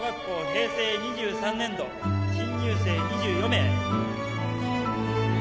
平成２３年度新入生２４名。